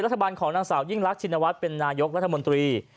รัฐบาลของนางสาวยิ่งลักษณ์ชินวัฒน์เป็นนายกรัฐมนตรี